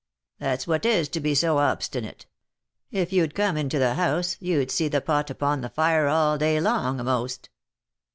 " That's what 'tis to be so obstinate. If you'd come into the house you'd see the pot upon the fire all day long, a'most."